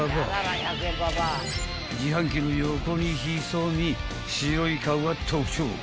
［自販機の横に潜み白い顔が特徴］